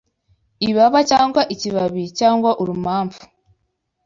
Ibaba, cyangwa ikibabi, cyangwa urumamfu,